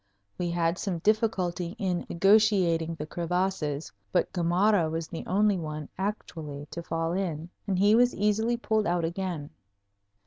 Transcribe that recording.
We had some difficulty in negotiating the crevasses, but Gamarra was the only one actually to fall in, and he was easily pulled out again.